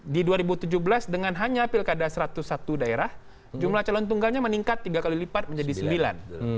di dua ribu tujuh belas dengan hanya pilkada satu ratus satu daerah jumlah calon tunggalnya meningkat tiga kali lipat menjadi sembilan